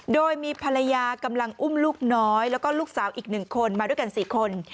โดยมีภรรยากำลังอุ้มลูกน้อยแล้วก็ลูกสาวอีก๑คนมาด้วยกัน๔คน